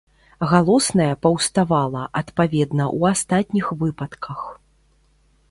Галосная паўставала, адпаведна, у астатніх выпадках.